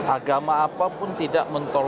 agama apapun tidak mentoliler